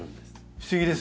不思議ですね。